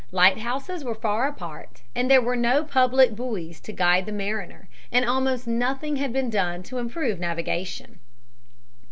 Lighthouses were far apart, there were no public buoys to guide the mariner, and almost nothing had been done to improve navigation.